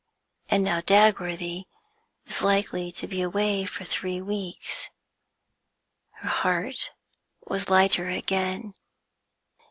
And now Dagworthy was likely to be away for three weeks. Her heart was lighter again.